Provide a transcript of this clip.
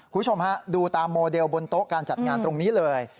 คุณผู้ชมฮะดูตามโมเดลบนโต๊ะการจัดงานตรงนี้เลย